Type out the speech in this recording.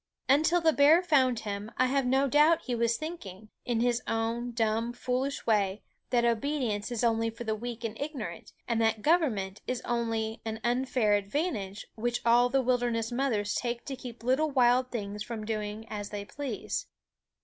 Until the bear found him, I have no doubt he was thinking, in his own dumb, foolish way, that obedience is only for the weak and ignorant, and that government is only an unfair advan tage which all the wilderness mothers take to keep little wild things from doing as they please.